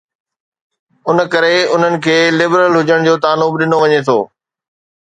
ان ڪري انهن کي لبرل هجڻ جو طعنو به ڏنو وڃي ٿو.